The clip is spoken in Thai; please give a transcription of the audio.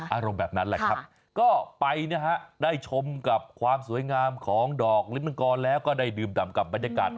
อารมณ์แบบนั้นแหละครับก็ไปนะฮะได้ชมกับความสวยงามของดอกลิ้นมังกรแล้วก็ได้ดื่มดำกับบรรยากาศ